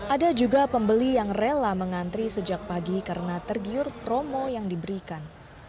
ada juga pembeli yang rela mengantri sejak pagi karena tergiur promo yang diberikan